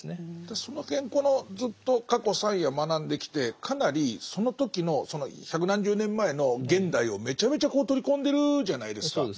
その辺このずっと過去３夜学んできてかなりその時のその百何十年前の現代をめちゃめちゃ取り込んでるじゃないですか。